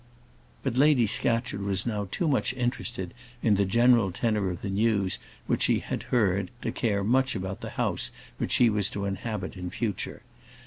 But Lady Scatcherd was now too much interested in the general tenor of the news which she had heard to care much about the house which she was to inhabit in future.